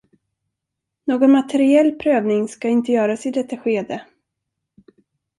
Någon materiell prövning ska inte göras i detta skede.